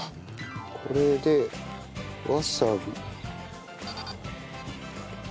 これでわさび。